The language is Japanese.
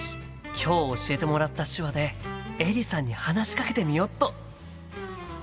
今日教えてもらった手話でエリさんに話しかけてみよっと！